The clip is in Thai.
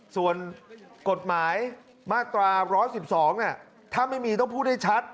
ส่วนกฎหมายมาตรา๑๑๒ถ้าไม่มีต้องพูดให้ชัด